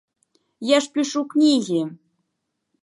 Я ж пішу кнігі.